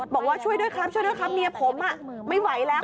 บอกว่าช่วยด้วยครับเมียผมไม่ไหวแล้ว